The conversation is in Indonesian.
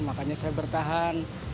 makanya saya bertahan